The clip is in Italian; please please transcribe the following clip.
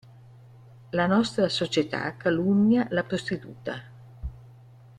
La nostra società calunnia la prostituta.